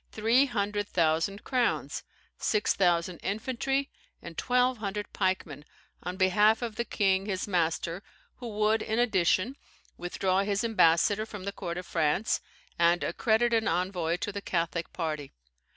three hundred thousand crowns, six thousand infantry, and twelve hundred pikemen, on behalf of the king his master, who would, in addition, withdraw his ambassador from the court of France, and accredit an envoy to the Catholic party.